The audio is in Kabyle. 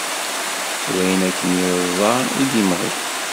D ayen akken iẓẓa i d-imɣin.